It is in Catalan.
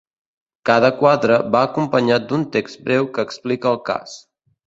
Cada quadre va acompanyat d’un text breu que explica el cas.